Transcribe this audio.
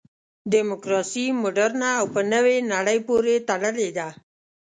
دیموکراسي مډرنه او په نوې نړۍ پورې تړلې ده.